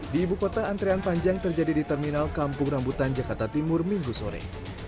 di ibu kota antrean panjang terjadi di terminal kampung rambutan jakarta timur minggu sore